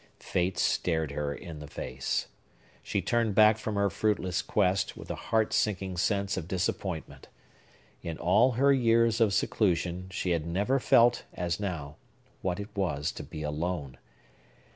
Fate stared her in the face. She turned back from her fruitless quest, with a heartsinking sense of disappointment. In all her years of seclusion, she had never felt, as now, what it was to be alone.